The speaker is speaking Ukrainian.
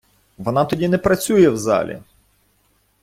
Вона тоді не працює в залі!